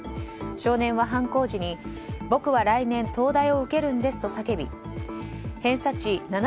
少年は犯行時に僕は来年東大を受けるんですと叫び偏差値